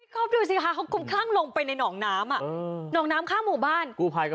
เขากล้มคลั่งลงไปในนอกน้ำนอนกน้ำข้างหมู่บ้าน